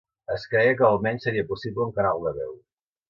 Es creia que al menys seria possible un canal de veu.